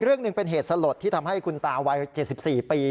เรื่องหนึ่งเป็นเหตุสลดที่ทำให้คุณตาวัย๗๔ปี